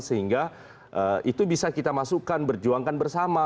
sehingga itu bisa kita masukkan berjuangkan bersama